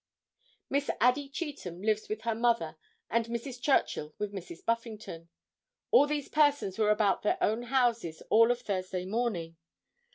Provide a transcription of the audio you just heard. Miss Addie Cheetham lives with her mother and Mrs. Churchill with Mrs. Buffington. All these persons were about their own houses all of Thursday morning.